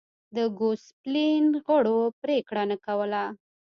د ګوسپلین غړو پرېکړه نه کوله